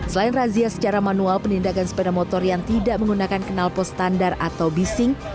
selain razia secara manual penindakan sepeda motor yang tidak menggunakan kenalpot standar atau bising